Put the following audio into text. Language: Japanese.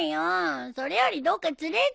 それよりどっか連れてってよ！